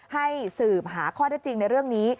ให้สืบหาข้อได้จริงในเรื่องนี้